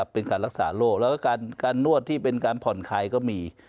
เป็นการรักษาโรคแล้วก็การนวดที่เป็นการผ่อนคลายก็มี